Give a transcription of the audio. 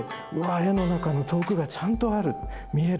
絵の中の遠くがちゃんとある見える